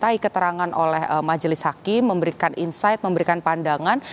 dimintai keterangan oleh majelis hakim memberikan insight memberikan pandangan